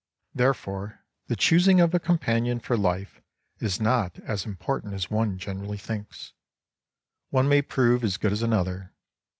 Therefore the choosing of a companion for life is not as important as one generally thinks. One may prove as good as another.